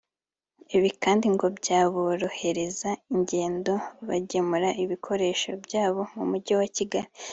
Ibi kandi ngo byaborohereza ingendo bagemura ibikoresho byabo mu mujyi wa Kigali